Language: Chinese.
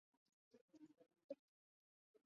辽朝只能全力固守幽蓟。